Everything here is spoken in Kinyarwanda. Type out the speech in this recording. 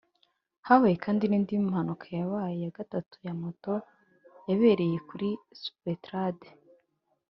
Habaye kandi n’indi mpanuka ya gatatu ya moto yabereye kuri Sopetrade